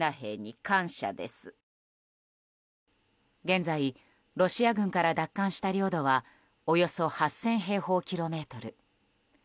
現在、ロシア軍から奪還した領土はおよそ８０００平方キロメートル。